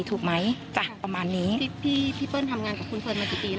ถูกไหมจ้ะประมาณนี้พี่พี่เปิ้ลทำงานกับคุณเฟิร์นมากี่ปี